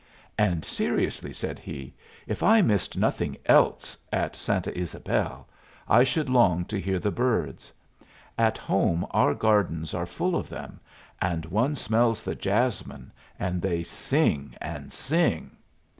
"And, seriously," said he, "if I missed nothing else at Santa Ysabel, I should long to hear the birds. At home our gardens are full of them, and one smells the jasmine, and they sing and sing!